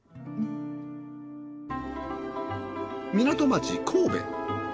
港町神戸。